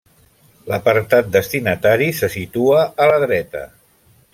L'apartat destinatari se situa a la dreta.